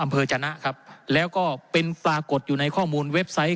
จนะครับแล้วก็เป็นปรากฏอยู่ในข้อมูลเว็บไซต์